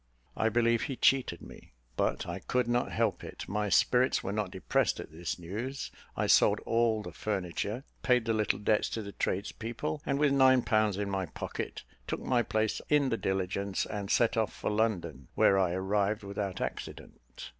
"I believe he cheated me, but I could not help it. My spirits were not depressed at this news; I sold all the furniture; paid the little debts to the tradespeople, and, with nine pounds in my pocket, took my place in the diligence, and set off for London, where I arrived without accident.